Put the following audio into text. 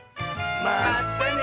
まったね！